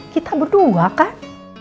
kita berdua kan